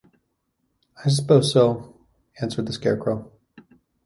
"I suppose so," answered the Scarecrow.